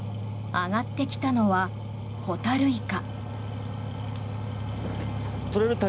上がってきたのはホタルイカ。